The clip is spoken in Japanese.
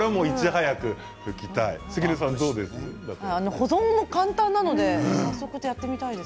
保存も簡単なのでやってみたいです。